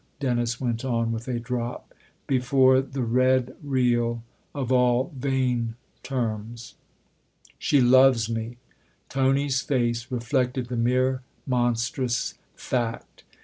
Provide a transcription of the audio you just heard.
Dennis went on with a drop, before the red real, of all vain terms. 11 She loves me !" Tony's face reflected the mere monstrous fact.